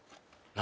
何？